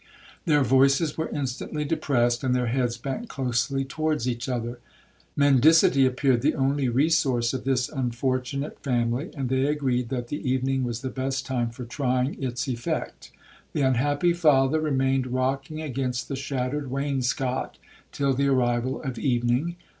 Their voices were instantly depressed, and their heads bent closely towards each other. Mendicity appeared the only resource of this unfortunate family,—and they agreed, that the evening was the best time for trying its effect. The unhappy father remained rocking against the shattered wainscot till the arrival of evening.